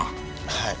はい。